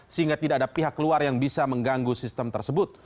sehingga tidak ada pihak luar yang bisa mengganggu sistem tersebut